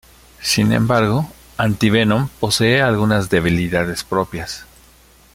Sin embargo, Anti-Venom posee algunas debilidades propias.